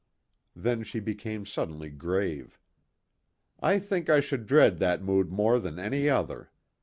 Then she became suddenly grave. "I think I should dread that mood more than any other.